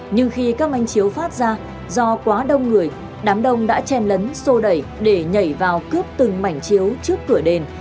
nhưng khi các anh chiếu phát ra do quá đông người đám đông đã chen lấn sô đẩy để nhảy vào cướp từng mảnh chiếu trước cửa đền